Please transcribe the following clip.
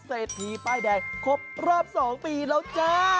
เศรษฐีป้ายแดงครบรอบ๒ปีแล้วจ้า